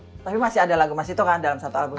tapi masih ada lagu mas ito kan dalam satu album